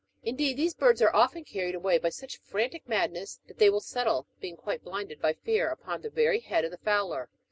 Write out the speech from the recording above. Indeed, these birds are often carried away by such frantic madness, that they will settle, being quite "blinded by fear.^ upon the very head of the fowler.